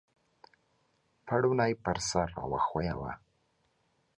پوړنی پر سر را وښویوه !